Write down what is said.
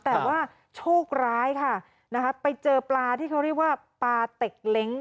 แต่ว่าโชคร้ายค่ะนะคะไปเจอปลาที่เขาเรียกว่าปลาเต็กเล้ง